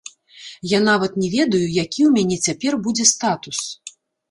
Я нават не ведаю, які у мяне цяпер будзе статус.